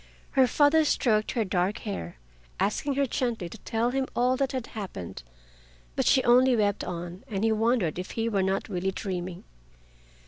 Her father stroked her dark hair, asking her gently to tell him all that had happened, but she only wept on, and he wondered if he were not really dreaming.